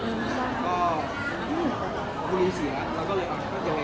มนตราออกได้ว่าจะไปหาทุกคน